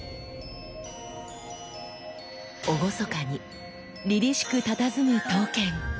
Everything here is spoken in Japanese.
厳かにりりしくたたずむ刀剣。